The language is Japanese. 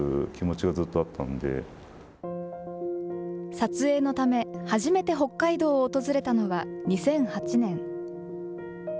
撮影のため、初めて北海道を訪れたのは２００８年。